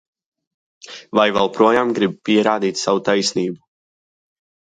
Vai vēl joprojām gribi pierādīt savu taisnību?